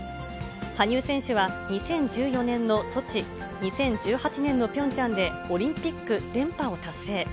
羽生選手は２０１４年のソチ、２０１８年のピョンチャンでオリンピック連覇を達成。